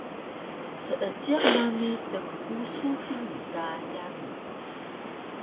seejiq nami tnpusu hini ka yami